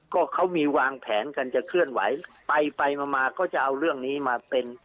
ก็เขามีวางแผนกันจะเคลื่อนไหวไปไปมามาก็จะเอาเรื่องนี้มาเป็น